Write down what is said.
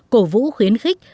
cổ vũ khuyến khích